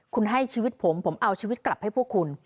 คุณให้ชีวิตผมผมเอาชีวิตกลับให้พวกคุณ